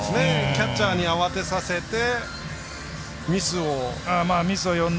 キャッチャーに慌てさせてミスを呼ぶ。